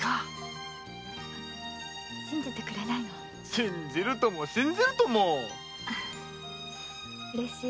信じるとも信じるともうれしい。